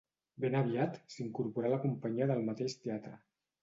Ben aviat s'incorporà a la companyia del mateix teatre.